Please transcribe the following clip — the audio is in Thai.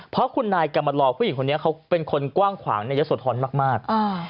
เพราะคุณนายกรรมลอผู้หญิงคนนี้เขาเป็นคนกว้างขวางในยะโสธรมาก